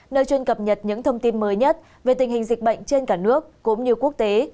nơi chuyên cập nhật những thông tin mới nhất về tình hình dịch bệnh trên cả nước cũng như quốc tế